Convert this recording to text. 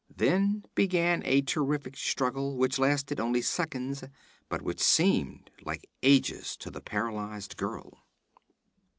Then began a terrific struggle, which lasted only seconds, but which seemed like ages to the paralyzed girl.